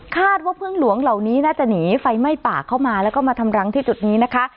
พึ่งหลวงเหล่านี้น่าจะหนีไฟไหม้ปากเข้ามาแล้วก็มาทำรังที่จุดนี้นะคะ